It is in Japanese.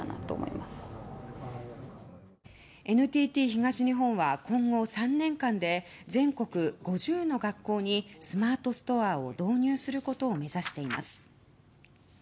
ＮＴＴ東日本は今後３年間で全国５０の学校にスマートストアを導入することを目指しています。